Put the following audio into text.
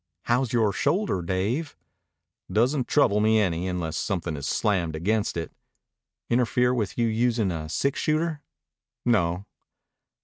"How's yore shoulder, Dave?" "Doesn't trouble me any unless something is slammed against it." "Interfere with you usin' a six shooter?" "No."